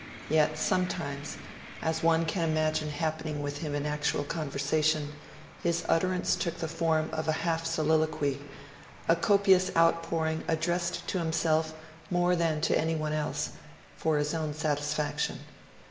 Yet sometimes as one can imagine happening with him in actual conversation his utterance took the form of a half soliloquy, a copious outpouring addressed to himself more than to anyone else, for his own satisfaction.